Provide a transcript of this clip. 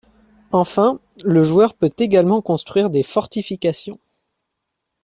Enfin, le joueur peut également construire des fortifications.